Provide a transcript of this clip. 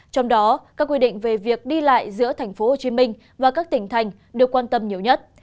trong đó các quy định về việc đi lại giữa thành phố hồ chí minh và các tỉnh thành đều quan tâm nhiều nhất